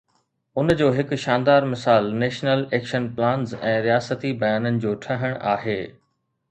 ان جو هڪ شاندار مثال نيشنل ايڪشن پلانز ۽ رياستي بيانن جو ٺهڻ آهي.